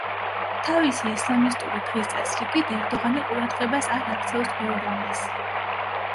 თავისი ისლამისტური დღის წესრიგით, ერდოღანი ყურადღებას არ აქცევს ბევრ რამეს.